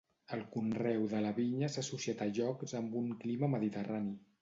El conreu de la vinya s'ha associat a llocs amb un clima mediterrani.